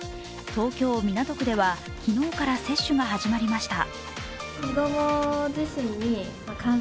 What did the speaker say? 東京・港区では昨日から接種が始まりました。